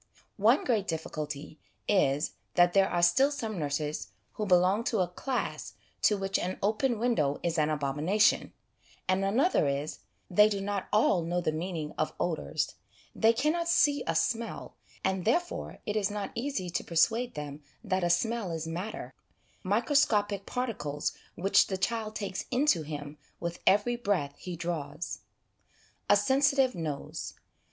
One great difficulty is, that there are still some nurses who belong to a class to which an open window is an abomination; and another is, they do not all know the meaning of odours : they cannot see ' a smell,' and, therefore, it is not easy to persuade them that a smell is matter, microscopic particles which the child takes into him with every breath he draws. A Sensitive Nose.